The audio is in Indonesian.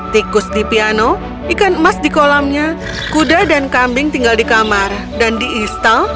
tikus di piano ikan emas di kolamnya kuda dan kambing tinggal di kamar dan di install